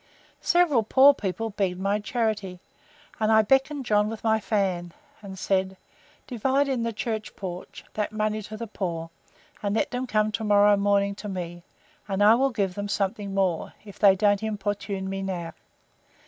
Several poor people begged my charity, and I beckoned John with my fan, and said, Divide in the further church porch, that money to the poor, and let them come to morrow morning to me, and I will give them something more, if they don't importune me now.